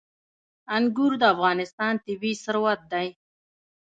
انګور د افغانستان طبعي ثروت دی.